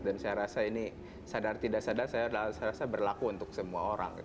dan saya rasa ini sadar tidak sadar saya rasa berlaku untuk semua orang